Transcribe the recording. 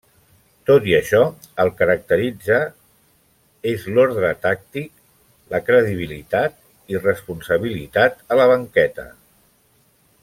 Tot i això, el caracteritza és l'ordre tàctic, la credibilitat i responsabilitat a la banqueta.